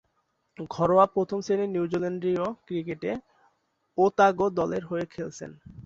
ঘরোয়া প্রথম-শ্রেণীর নিউজিল্যান্ডীয় ক্রিকেটে ওতাগো দলের হয়ে খেলছেন।